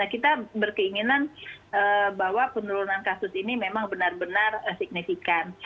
kita berkeinginan bahwa penurunan kasus ini memang benar benar signifikan